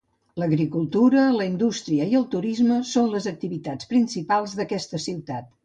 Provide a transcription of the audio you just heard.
L'agricultura, la indústria i el turisme són les activitats principals d'aquesta ciutat.